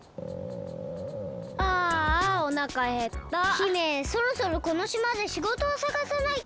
姫そろそろこのしまでしごとをさがさないと。